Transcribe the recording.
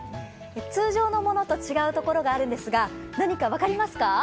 通常のものと違うところがあるんですが、何か分かりますか？